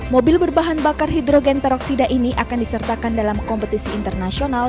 mobil berbahan bakar hidrogen peroksida ini akan disertakan dalam kompetisi internasional